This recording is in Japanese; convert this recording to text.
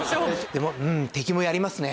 でも敵もやりますね。